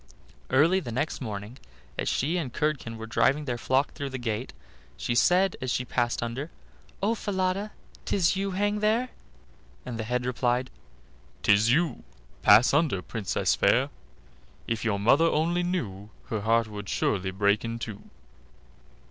Early next morning, as she and Curdken were driving their flock through the gate, she said as she passed under: "Oh! Falada, 'tis you hang there"; and the head replied: "'Tis you; pass under, Princess fair: If your mother only knew, Her heart would surely break in two."